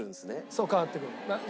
そう変わってくる。